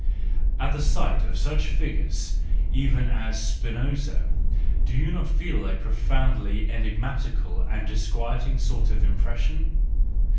At the sight of such figures even as Spinoza, do you not feel a profoundly enigma¬ tical and disquieting sort of impression